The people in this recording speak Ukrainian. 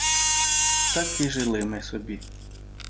Так і жили ми собі.